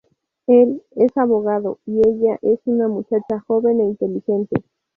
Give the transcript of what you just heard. Él es abogado y ella es una muchacha joven e inteligente.